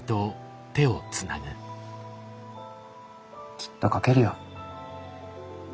きっと描けるよ。